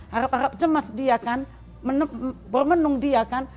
harap harap cemas dia kan bermenung dia kan